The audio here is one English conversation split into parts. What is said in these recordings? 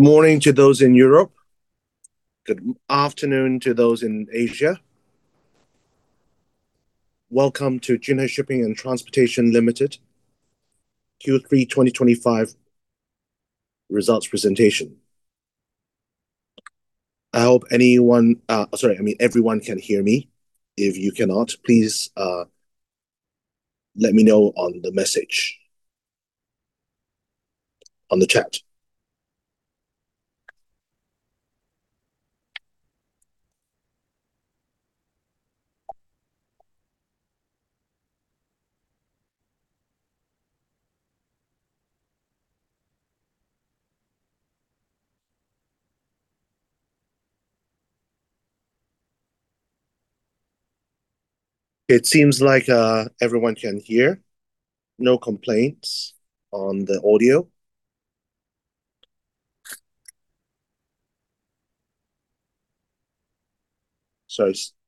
Good morning to those in Europe. Good afternoon to those in Asia. Welcome to Jinhui Shipping and Transportation Limited Q3 2025 results presentation. I hope everyone can hear me. If you cannot, please let me know on the message, on the chat. It seems like everyone can hear. No complaints on the audio.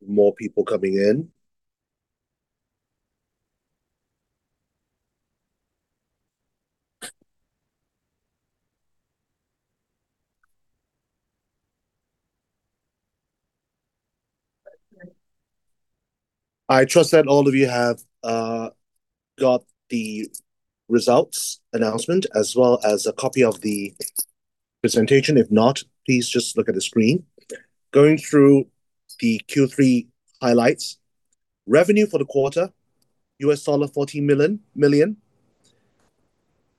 More people coming in. I trust that all of you have got the results announcement as well as a copy of the presentation. If not, please just look at the screen. Going through the Q3 highlights: revenue for the quarter, $14 million.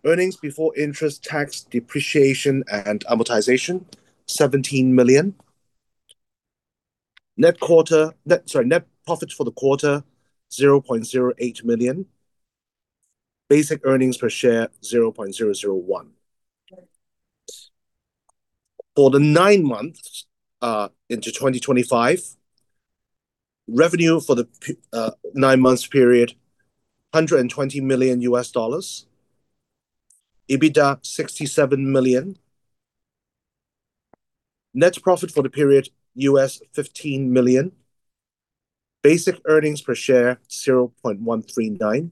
Earnings before interest, tax, depreciation, and amortization, $17 million. Net profit for the quarter, $0.08 million. Basic earnings per share, $0.001. For the nine months into 2025, revenue for the nine-month period, $120 million. EBITDA, $67 million. Net profit for the period, $15 million. Basic earnings per share, $0.139.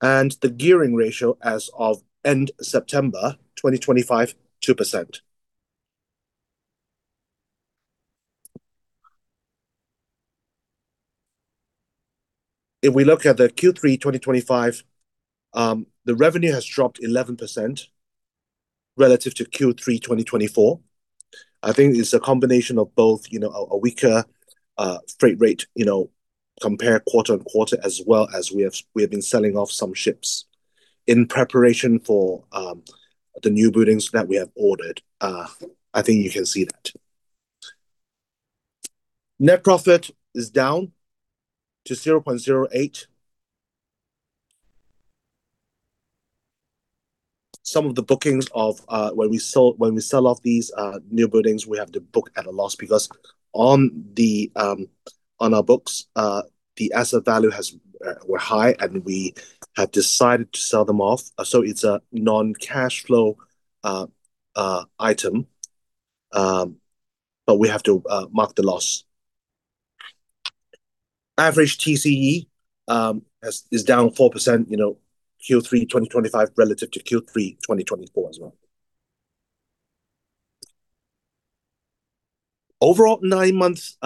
The gearing ratio as of end September 2025, 2%. If we look at Q3 2025, the revenue has dropped 11% relative to Q3 2024. I think it's a combination of both a weaker freight rate, compare quarter on quarter, as well as we have been selling off some ships in preparation for the new buildings that we have ordered. I think you can see that. Net profit is down to $0.08. Some of the bookings of when we sell off these new buildings, we have to book at a loss because on our books, the asset value were high, and we have decided to sell them off. It is a non-cash flow item, but we have to mark the loss. Average TCE is down 4% Q3 2025 relative to Q3 2024 as well. Overall, nine months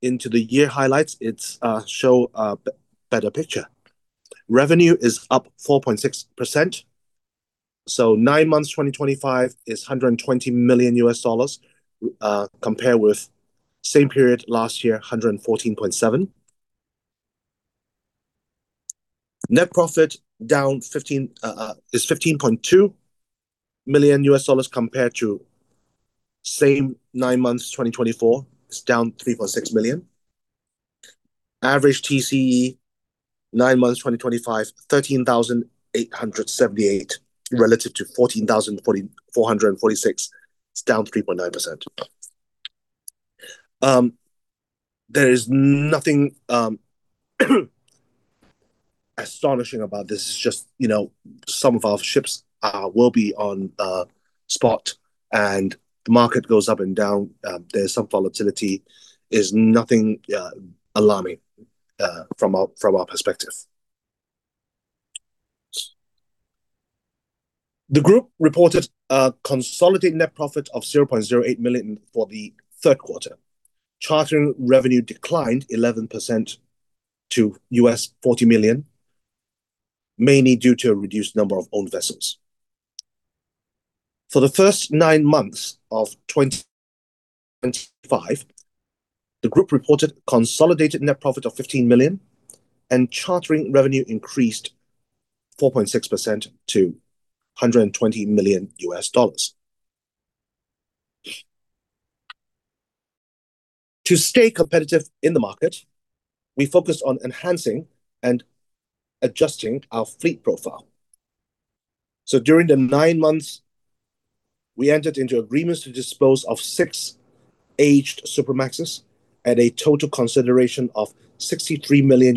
into the year highlights, it shows a better picture. Revenue is up 4.6%. Nine months 2025 is $120 million compared with same period last year, $114.7 million. Net profit down is $15.2 million compared to same nine months 2024. It is down $3.6 million. Average TCE nine months 2025, $13,878 relative to $14,446. It is down 3.9%. There is nothing astonishing about this. It is just some of our ships will be on spot, and the market goes up and down. There is some volatility. It is nothing alarming from our perspective. The group reported a consolidated net profit of $0.08 million for the third quarter. Chartering revenue declined 11% to $40 million, mainly due to a reduced number of owned vessels. For the first nine months of 2025, the group reported a consolidated net profit of $15 million, and chartering revenue increased 4.6% to $120 million. To stay competitive in the market, we focused on enhancing and adjusting our fleet profile. During the nine months, we entered into agreements to dispose of six aged supramaxes at a total consideration of $63 million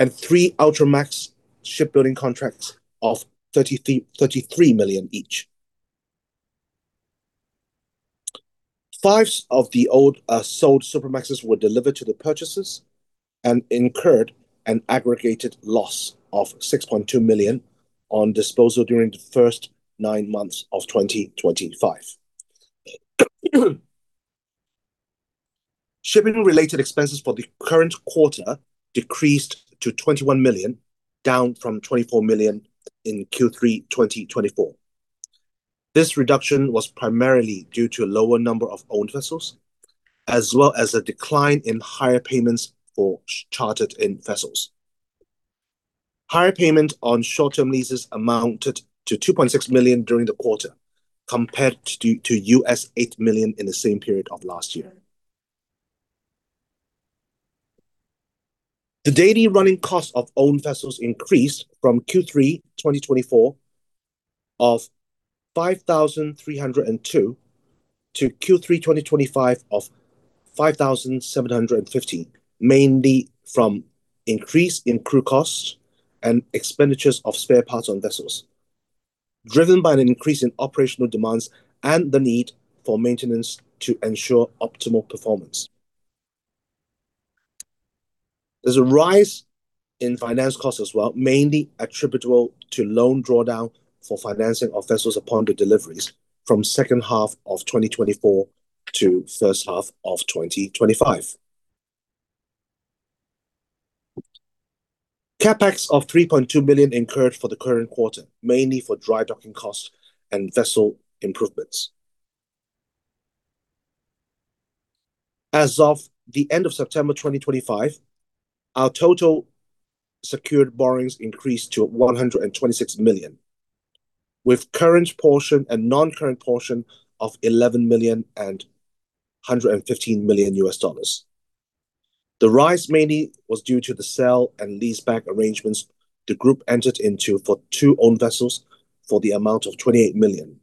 and three ultramax shipbuilding contracts of $33 million each. Five of the old sold supramaxes were delivered to the purchasers and incurred an aggregated loss of $6.2 million on disposal during the first nine months of 2025. Shipping-related expenses for the current quarter decreased to $21 million, down from $24 million in Q3 2024. This reduction was primarily due to a lower number of owned vessels, as well as a decline in hire payments for chartered vessels. Hire payment on short-term leases amounted to $2.6 million during the quarter, compared to $8 million in the same period of last year. The daily running cost of owned vessels increased from Q3 2024 of $5,302 to Q3 2025 of $5,715, mainly from increase in crew costs and expenditures of spare parts on vessels, driven by an increase in operational demands and the need for maintenance to ensure optimal performance. There is a rise in finance costs as well, mainly attributable to loan drawdown for financing of vessels upon the deliveries from second half of 2024 to first half of 2025. CapEx of $3.2 million incurred for the current quarter, mainly for dry docking costs and vessel improvements. As of the end of September 2025, our total secured borrowings increased to $126 million, with current portion and non-current portion of $11 million and $115 million. The rise mainly was due to the sell and lease-back arrangements the group entered into for two owned vessels for the amount of $28 million.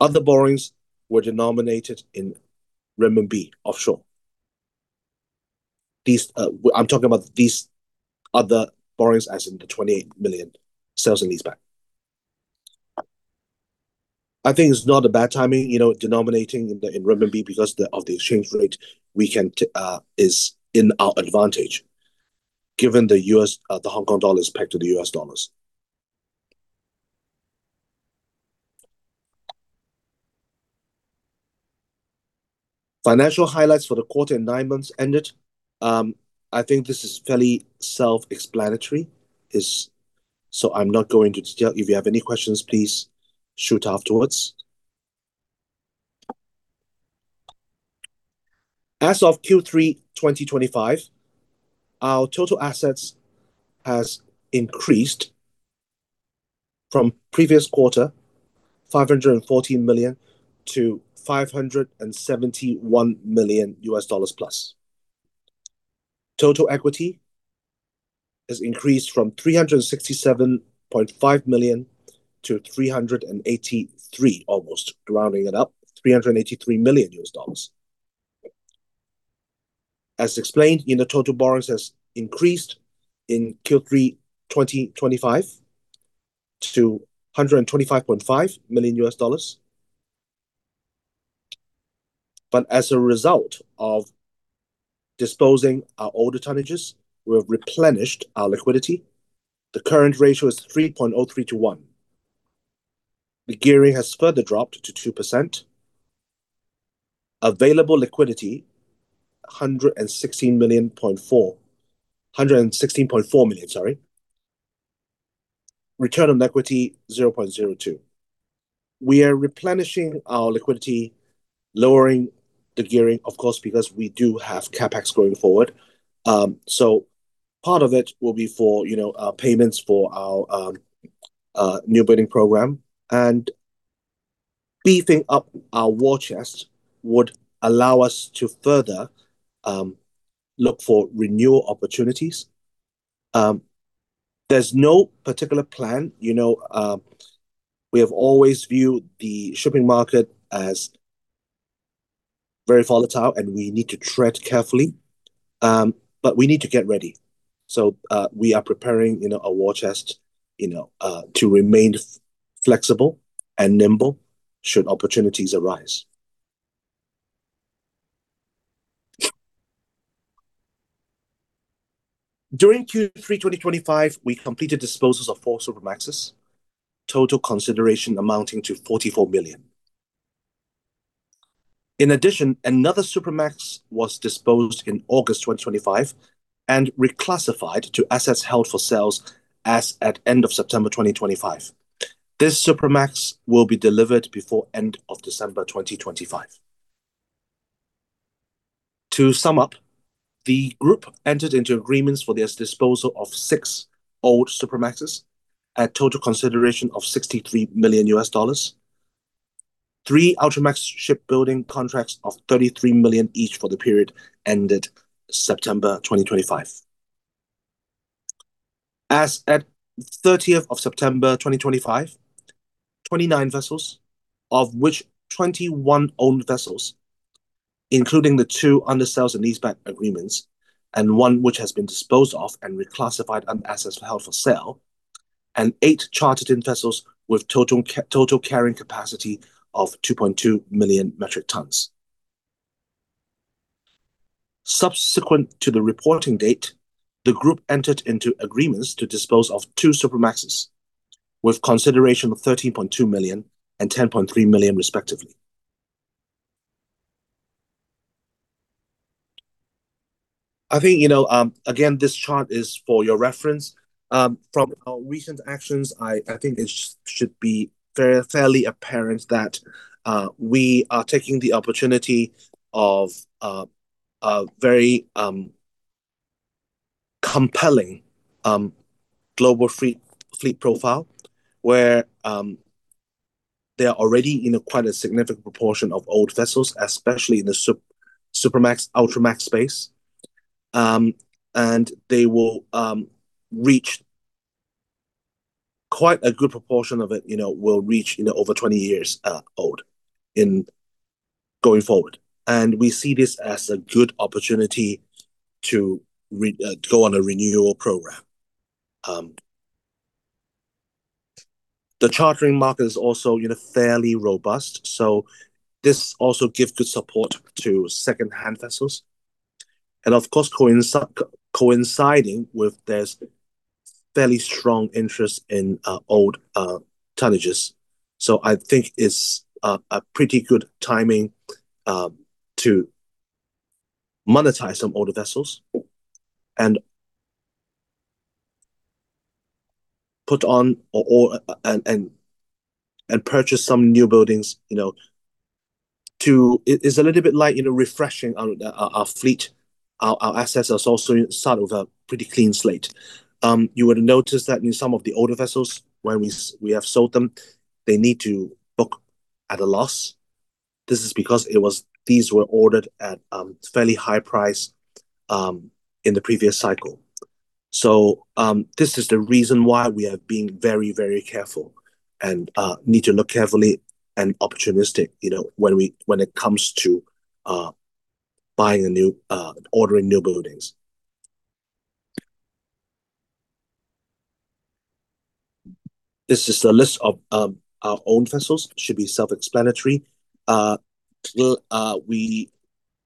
Other borrowings were denominated in renminbi offshore. I'm talking about these other borrowings as in the $28 million sales and lease-back. I think it's not a bad timing denominating in renminbi because of the exchange rate we can is in our advantage, given the Hong Kong dollar's peg to the U.S. dollars. Financial highlights for the quarter and nine months ended. I think this is fairly self-explanatory. I'm not going to detail. If you have any questions, please shoot afterwards. As of Q3 2025, our total assets has increased from previous quarter, $514 million-$571 million+. Total equity has increased from $367.5 million-$383 million, almost rounding it up, $383 million. As explained, total borrowings has increased in Q3 2025 to $125.5 million. As a result of disposing our older tonnages, we have replenished our liquidity. The current ratio is 3.03-1. The gearing has further dropped to 2%. Available liquidity, $116.4 million, sorry. Return on equity, 0.02. We are replenishing our liquidity, lowering the gearing, of course, because we do have CapEx going forward. Part of it will be for payments for our new building program. Beefing up our war chest would allow us to further look for renewal opportunities. There is no particular plan. We have always viewed the shipping market as very volatile, and we need to tread carefully. We need to get ready. We are preparing a war chest to remain flexible and nimble should opportunities arise. During Q3 2025, we completed disposals of four supramaxes, total consideration amounting to $44 million. In addition, another supramax was disposed in August 2025 and reclassified to assets held for sale as at end of September 2025. This supramax will be delivered before end of December 2025. To sum up, the group entered into agreements for the disposal of six old supramaxes at total consideration of $63 million. Three ultramax shipbuilding contracts of $33 million each for the period ended September 2025. As at 30th of September 2025, 29 vessels, of which 21 owned vessels, including the two under sales and lease-back agreements, and one which has been disposed of and reclassified under assets held for sale, and eight chartered vessels with total carrying capacity of 2.2 million metric tons. Subsequent to the reporting date, the group entered into agreements to dispose of two supramaxes with consideration of $13.2 million and $10.3 million, respectively. I think, again, this chart is for your reference. From our recent actions, I think it should be fairly apparent that we are taking the opportunity of a very compelling global fleet profile where there are already in quite a significant proportion of old vessels, especially in the supramax, ultramax space. They will reach quite a good proportion of it will reach over 20 years old going forward. We see this as a good opportunity to go on a renewal program. The chartering market is also fairly robust. This also gives good support to second-hand vessels. Of course, coinciding with there is fairly strong interest in old tonnages. I think it's a pretty good timing to monetize some older vessels and put on and purchase some new buildings too. It's a little bit like refreshing our fleet. Our assets are also started with a pretty clean slate. You would have noticed that in some of the older vessels, when we have sold them, they need to book at a loss. This is because these were ordered at a fairly high price in the previous cycle. This is the reason why we are being very, very careful and need to look carefully and opportunistic when it comes to buying and ordering new buildings. This is the list of our own vessels. It should be self-explanatory. We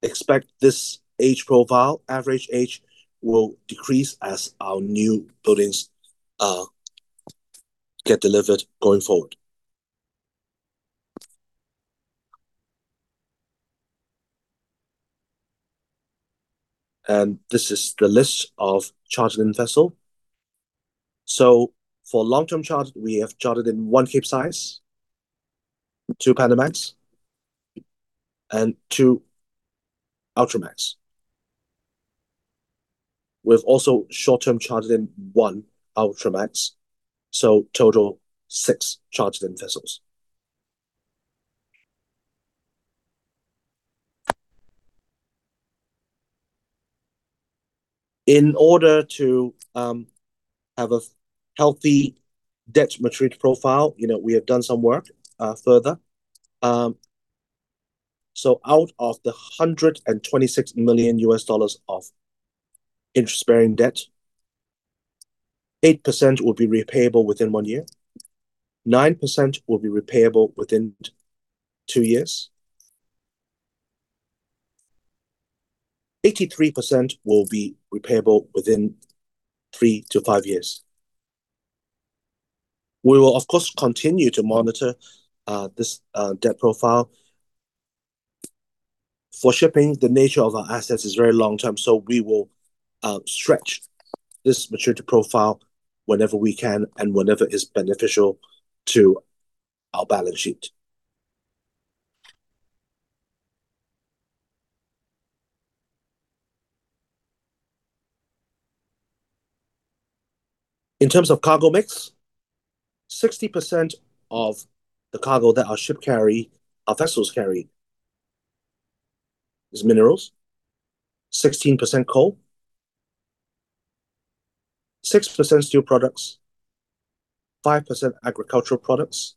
expect this age profile, average age, will decrease as our new buildings get delivered going forward. This is the list of chartered-in vessels. For long-term chartered, we have chartered in one cape size, two kamsarmax, and two ultramax. We have also short-term chartered in one ultramax. Total six chartered-in vessels. In order to have a healthy debt maturity profile, we have done some work further. Out of the $126 million of interest-bearing debt, 8% will be repayable within one year, 9% will be repayable within two years, and 83% will be repayable within three to five years. We will, of course, continue to monitor this debt profile. For shipping, the nature of our assets is very long-term. We will stretch this maturity profile whenever we can and whenever it is beneficial to our balance sheet. In terms of cargo mix, 60% of the cargo that our ship carry, our vessels carry, is minerals, 16% coal, 6% steel products, 5% agricultural products,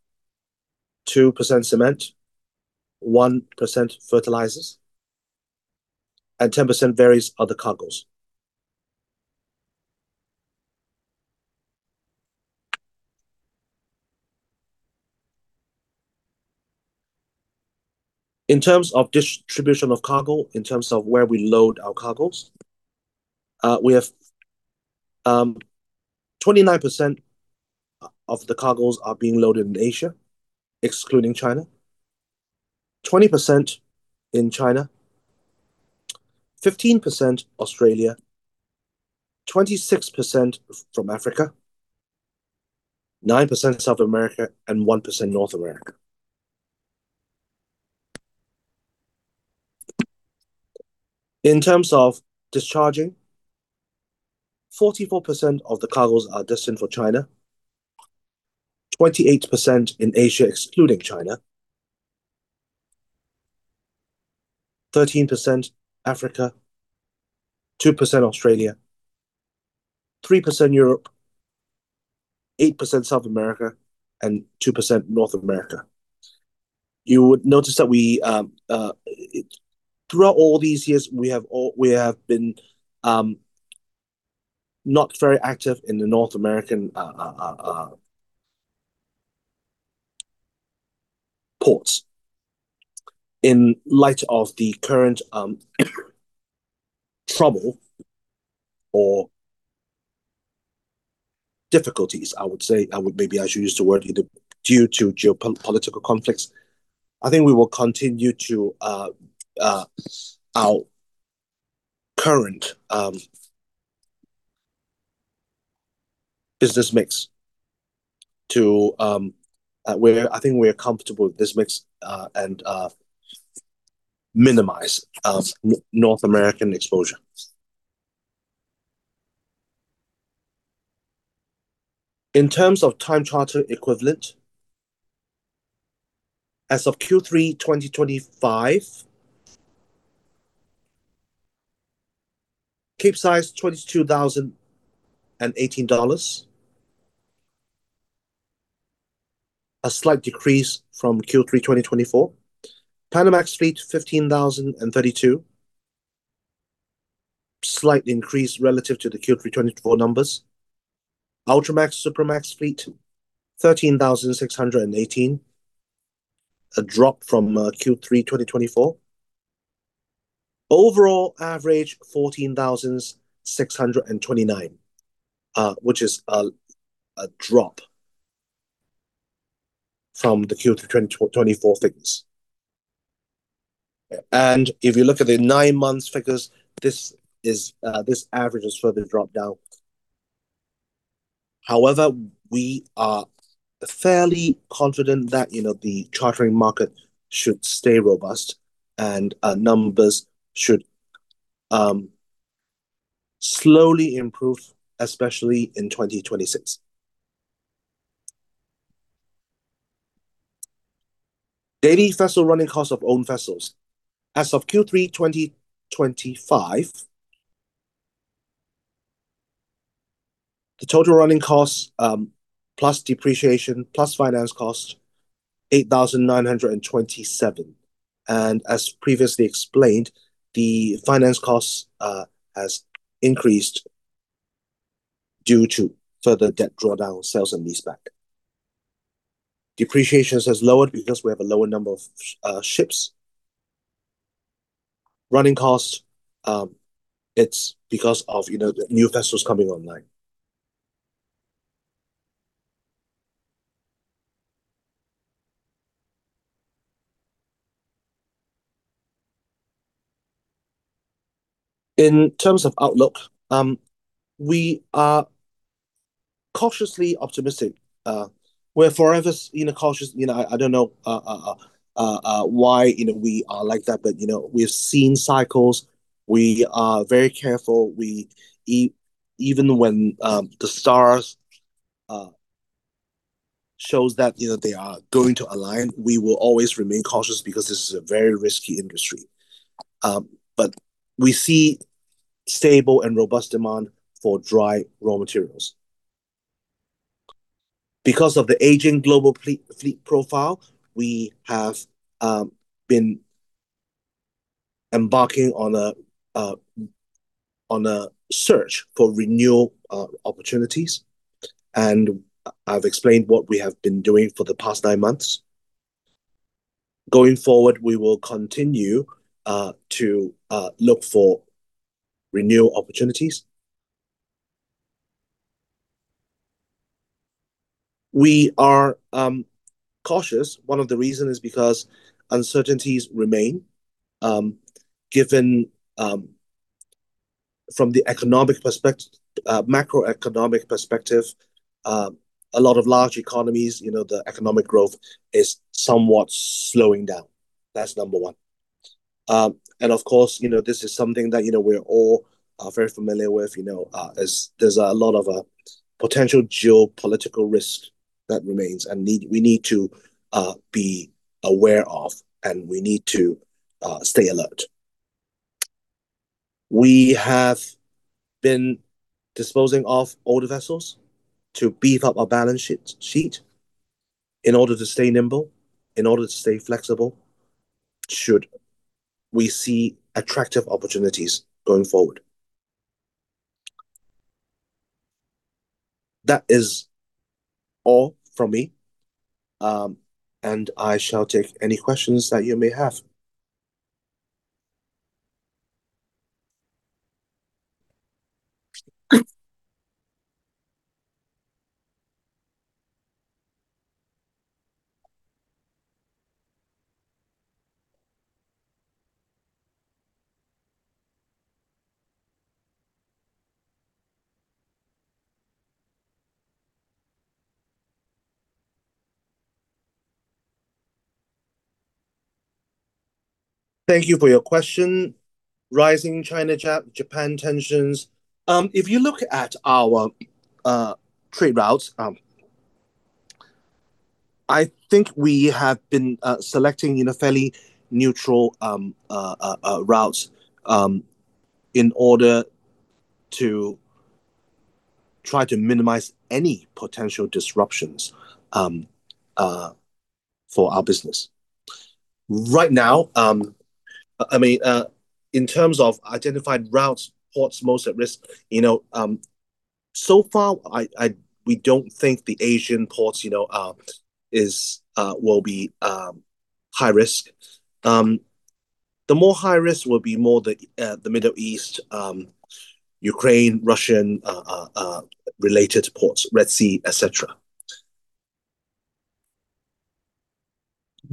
2% cement, 1% fertilizers, and 10% various other cargoes. In terms of distribution of cargo, in terms of where we load our cargoes, we have 29% of the cargoes are being loaded in Asia, excluding China, 20% in China, 15% Australia, 26% from Africa, 9% South America, and 1% North America. In terms of discharging, 44% of the cargoes are destined for China, 28% in Asia, excluding China, 13% Africa, 2% Australia, 3% Europe, 8% South America, and 2% North America. You would notice that throughout all these years, we have been not very active in the North American ports. In light of the current trouble or difficulties, I would say, maybe I should use the word, due to geopolitical conflicts, I think we will continue to our current business mix to where I think we are comfortable with this mix and minimize North American exposure. In terms of time charter equivalent, as of Q3 2025, cape size $22,018, a slight decrease from Q3 2024. Panamax fleet $15,032, slight increase relative to the Q3 2024 numbers. ultramax, supramax fleet $13,618, a drop from Q3 2024. Overall average $14,629, which is a drop from the Q3 2024 figures. If you look at the nine-month figures, this average has further dropped down. However, we are fairly confident that the chartering market should stay robust and numbers should slowly improve, especially in 2026. Daily vessel running cost of owned vessels. As of Q3 2025, the total running cost plus depreciation plus finance cost, $8,927. As previously explained, the finance cost has increased due to further debt drawdown, sales, and lease-back. Depreciation has lowered because we have a lower number of ships. Running cost, it's because of new vessels coming online. In terms of outlook, we are cautiously optimistic. We're forever cautious. I don't know why we are like that, but we've seen cycles. We are very careful. Even when the stars show that they are going to align, we will always remain cautious because this is a very risky industry. We see stable and robust demand for dry raw materials. Because of the aging global fleet profile, we have been embarking on a search for renewal opportunities. I have explained what we have been doing for the past nine months. Going forward, we will continue to look for renewal opportunities. We are cautious. One of the reasons is because uncertainties remain. Given from the macroeconomic perspective, a lot of large economies, the economic growth is somewhat slowing down. That is number one. Of course, this is something that we are all very familiar with. There is a lot of potential geopolitical risk that remains, and we need to be aware of, and we need to stay alert. We have been disposing of older vessels to beef up our balance sheet in order to stay nimble, in order to stay flexible should we see attractive opportunities going forward. That is all from me. I shall take any questions that you may have. Thank you for your question. Rising China-Japan tensions. If you look at our trade routes, I think we have been selecting fairly neutral routes in order to try to minimize any potential disruptions for our business. Right now, I mean, in terms of identified routes, ports most at risk. So far, we do not think the Asian ports will be high risk. The more high risk will be more the Middle East, Ukraine, Russian-related ports, Red Sea, etc.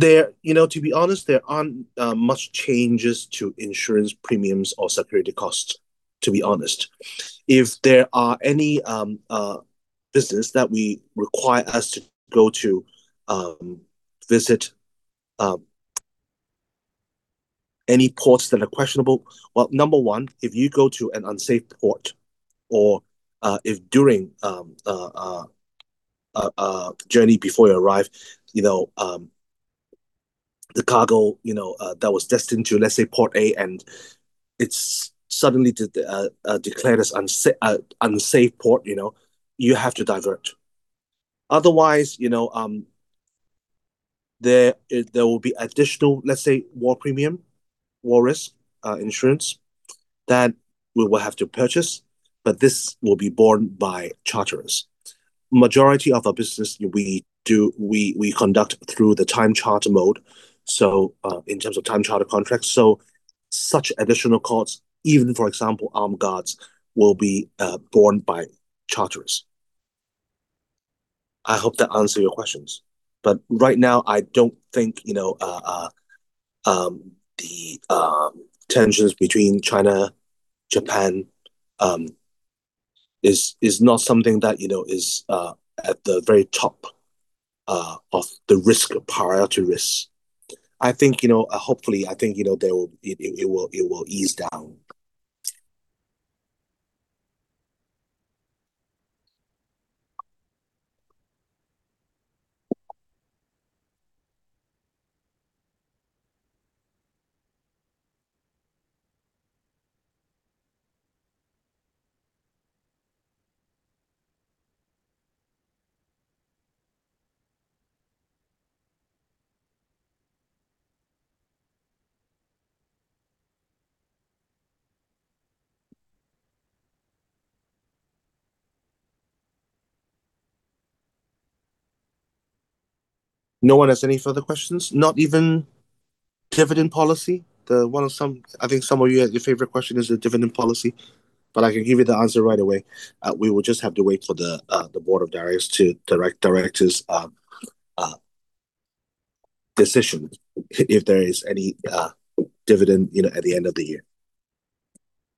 To be honest, there are not much changes to insurance premiums or security costs, to be honest. If there are any businesses that require us to go to visit any ports that are questionable, number one, if you go to an unsafe port or if during a journey before you arrive, the cargo that was destined to, let's say, Port A, and it is suddenly declared as an unsafe port, you have to divert. Otherwise, there will be additional, let's say, war premium, war risk insurance that we will have to purchase, but this will be borne by charterers. Majority of our business, we conduct through the time charter mode, so in terms of time charter contracts. Such additional costs, even, for example, armed guards, will be borne by charterers. I hope that answers your questions. Right now, I do not think the tensions between China and Japan is not something that is at the very top of the priority risks. I think, hopefully, I think it will ease down. No one has any further questions, not even dividend policy. I think some of your favorite question is the dividend policy, but I can give you the answer right away. We will just have to wait for the Board of Directors' decision if there is any dividend at the end of the year.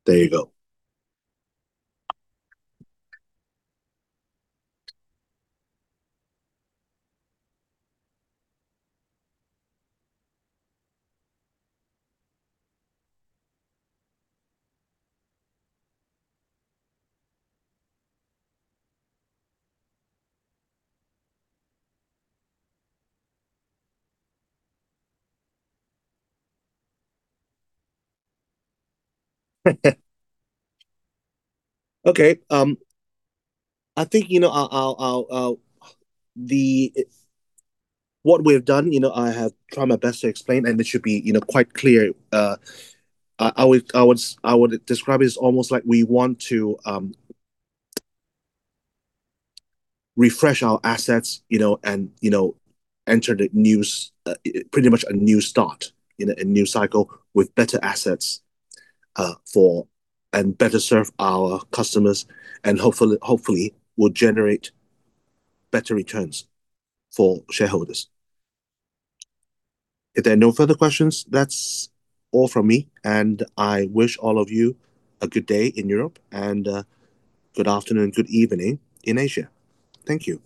There you go. Okay. I think what we have done, I have tried my best to explain, and it should be quite clear. I would describe it as almost like we want to refresh our assets and enter pretty much a new start, a new cycle with better assets and better serve our customers, and hopefully, will generate better returns for shareholders. If there are no further questions, that's all from me. I wish all of you a good day in Europe and good afternoon, good evening in Asia. Thank you.